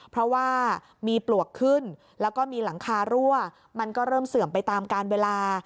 เพราะว่ามีปลวกขึ้นแล้วก็มีหลังคารั่วมันก็เริ่มเสื่อมไปตามการเวลา